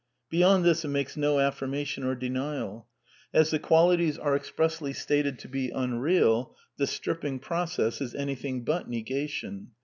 Beyond this it makes no affirmation or denial. As the qualities are expressly stated to be unreal, the stripping process is anything but negation.